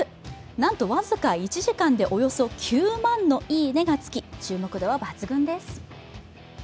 なんと僅か１時間でおよそ９万のいいねがつき、注目度は抜群です。